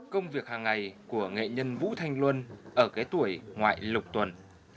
công việc hàng ngày của nghệ nhân vũ thanh luân ở cái tuổi ngoại lục tuần